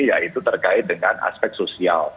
yaitu terkait dengan aspek sosial